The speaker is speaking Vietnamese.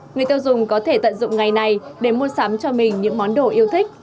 người tiêu dùng có thể tận dụng ngày này để mua sắm cho mình những món đồ yêu thích